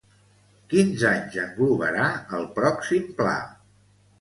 Quins anys englobarà el pròxim pla?